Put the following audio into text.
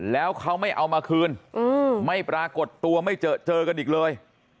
แล้วเขาไม่เอามาคืนไม่ปรากฏตัวไม่เจอเจอกันอีกเลย